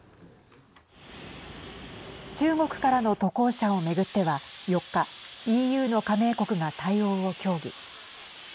中国からの渡航者を巡っては４日ＥＵの加盟国が対応を協議。